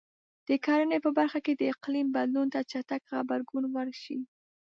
د کرنې په برخه کې د اقلیم بدلون ته چټک غبرګون وشي.